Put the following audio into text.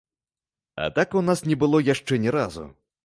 А так у нас не было яшчэ ні разу.